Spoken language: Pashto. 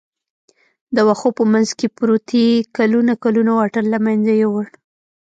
د وښو په منځ کې پروتې کلونه کلونه واټن له منځه یووړ.